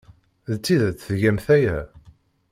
D tidet tgamt aya?